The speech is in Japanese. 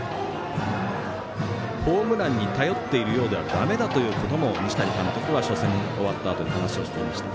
ホームランに頼っているようではだめだということも西谷監督は初戦終わったあとに話をしていました。